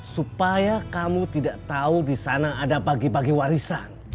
supaya kamu tidak tahu di sana ada pagi pagi warisan